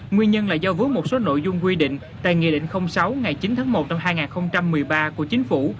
nguyên nhân là do vướng một số nội dung quy định tại nghị định sáu ngày chín tháng một năm hai nghìn một mươi ba của chính phủ